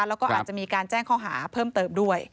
แล้วก็อาจจะมีการแจ้งข้อหาเพิ่มเติมด้วย